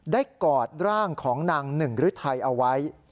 กอดร่างของนางหนึ่งฤทัยเอาไว้